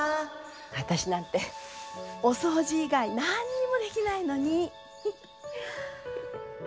私なんてお掃除以外何にもできないのに。